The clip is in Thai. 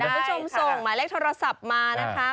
คุณผู้ชมส่งหมายเลขโทรศัพท์มานะคะ